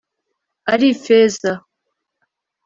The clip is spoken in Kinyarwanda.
ari ifeza ,